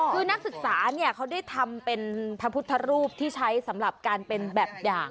คือนักศึกษาเนี่ยเขาได้ทำเป็นพระพุทธรูปที่ใช้สำหรับการเป็นแบบอย่าง